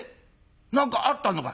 何かあったのかい？』。